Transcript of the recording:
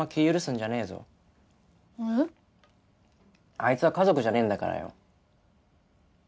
あいつは家族じゃねえんだからよ。